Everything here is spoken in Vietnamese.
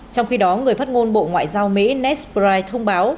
trong khi đó người phát ngôn bộ ngoại giao mỹ ned spry thông báo